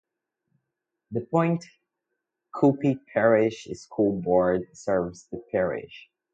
The Pointe Coupee Parish School Board serves the parish.